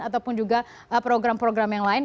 ataupun juga program program yang lain